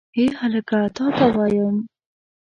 هې هلکه تا ته وایم.